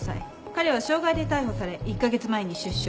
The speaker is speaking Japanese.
彼は傷害で逮捕され１カ月前に出所。